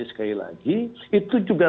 sekali lagi itu juga